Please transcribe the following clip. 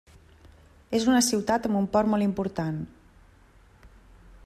És una ciutat amb un port molt important.